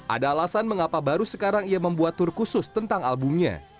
ada alasan mengapa baru sekarang ia membuat tur khusus tentang albumnya